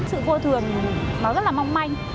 sự vô thường nó rất là mong manh